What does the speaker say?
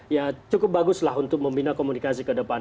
ya cukup baguslah untuk membina komunikasi ke depan